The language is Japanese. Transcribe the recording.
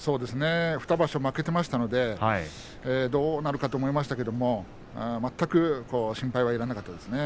２場所負けていましたのでどうなるかと思いましたけど全く心配はいらなかったですね。